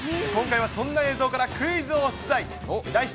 今回はそんな映像からクイズを出題。